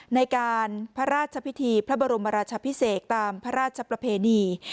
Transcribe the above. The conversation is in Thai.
ในการพระราชพิธีพระบรมราชาพิเศษตามพระราชประเพณี